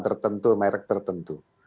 tertentu merek tertentu